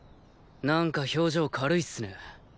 何か表情軽いっスね。